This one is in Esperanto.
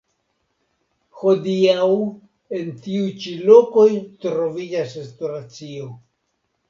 Hodiaŭ en tiuj ĉi lokoj troviĝas restoracio.